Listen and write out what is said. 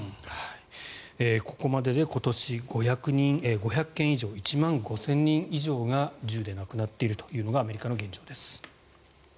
ここまでで今年５００件以上１万５０００人以上が銃で亡くなっているというのがアメリカの現状です。